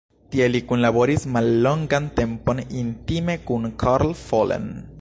Tie li kunlaboris mallongan tempon intime kun Karl Follen.